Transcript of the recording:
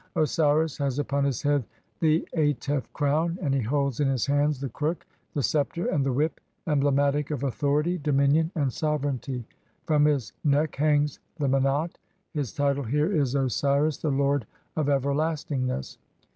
Osiris has upon his head the Atef crown, and he holds in his hands the crook, the sceptre and the whip, emblematic of authority, dominion, and sovereignty ; from his neck hangs the men at. His title here is "Osiris, the lord of everlastingness".